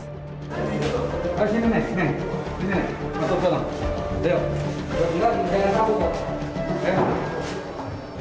tidak ada yang beroperasi